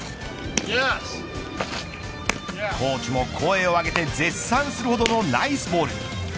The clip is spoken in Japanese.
コーチも声を上げて絶賛するほどのナイスボール。